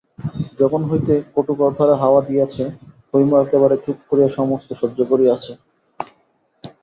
যখন হইতে কটুকথার হাওয়া দিয়াছে, হৈম একেবারে চুপ করিয়া সমস্ত সহ্য করিয়াছে।